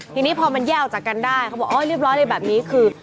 ทีนี้พอมันแยกออกจากกันได้เขาบอกโอ๊ยเรียบร้อยเลยแบบนี้คือ